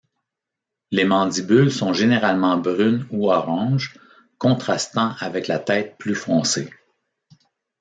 Les mandibules sont généralement brunes ou oranges, contrastant avec la tête plus foncée.